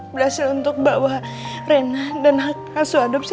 berhasil untuk bawa rena dan langsung adopsi